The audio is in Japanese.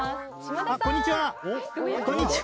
こんにちは！